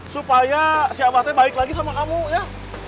supaya si abah t baik lagi sama kamu ya